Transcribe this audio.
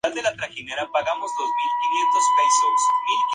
Puesto que la pregunta "¿Cómo lo sabemos?